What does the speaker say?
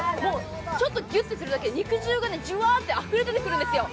ちょっとギュッとするだけで肉汁がじゅわーってあふれてくるんですよ。